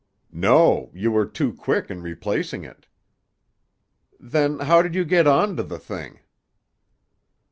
"No. You were too quick in replacing it." "Then how did you get on to the thing?"